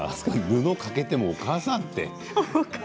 布をかけても、お母さん。